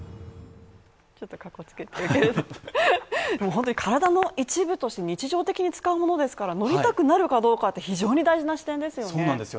もう本当に体の一部として日常的に使うものですから乗りたくなるかどうかって非常に大事な視点ですよ